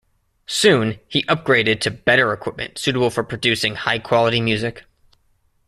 Soon he upgraded to better equipment, suitable for producing high-quality music.